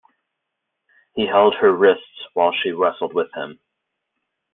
He held her wrists while she wrestled with him.